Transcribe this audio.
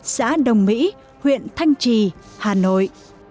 xã đồng mỹ huyện thanh trì hà nội